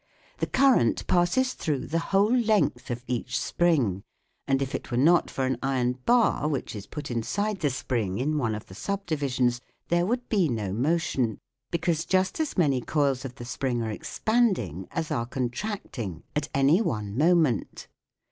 The current passes through the whole length of each spring, and if it were not for an iron bar, which is put inside the spring in one of the subdivisions, there would be no motion, because just as many coils of the spring are ex panding as are contracting at any one moment.